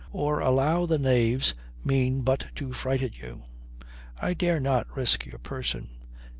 Or allow the knaves mean but to frighten you. I dare not risk your person."